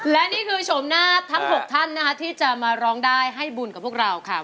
และนี่คือชมหน้าทั้ง๖ท่านนะคะที่จะมาร้องได้ให้บุญกับพวกเราค่ะ